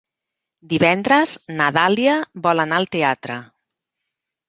Divendres na Dàlia vol anar al teatre.